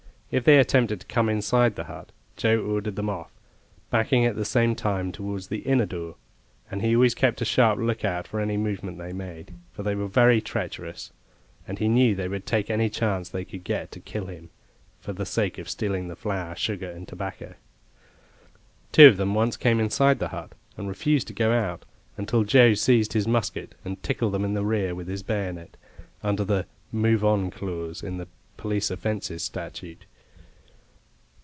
If they attempted to come inside the hut, Joe ordered them off, backing at the same time towards the inner door, and he always kept a sharp look out for any movement they made; for they were very treacherous, and he knew they would take any chance they could get to kill him, for the sake of stealing the flour, sugar, and tobacco. Two of them once came inside the hut and refused to go out, until Joe seized his musket, and tickled them in the rear with his bayonet, under the "move on" clause in the Police Offences Statute.